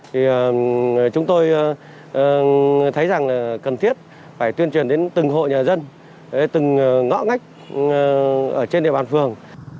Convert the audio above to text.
thì chúng tôi thấy rằng là cần thiết phải tuyên truyền đến từng hộ nhà dân từng ngõ ngách ở trên địa bàn phường